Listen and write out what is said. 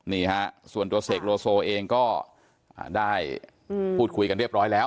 นี่ฮะส่วนตัวเสกโลโซเองก็ได้พูดคุยกันเรียบร้อยแล้ว